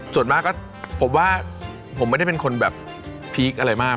ส่วนมากก็ผมว่าผมไม่ได้เป็นคนแบบพีคอะไรมาก